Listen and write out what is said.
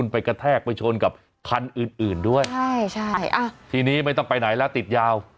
ไปกะแทกเป็นชนกับภัณฑ์อื่นด้วยใช่ใช่ทีนีย์ไม่ต้องไปไหนแล้วติดยาว